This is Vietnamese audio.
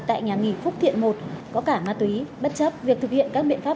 tại nhà nghỉ phúc thiện một có cả ma túy bất chấp việc thực hiện các biện pháp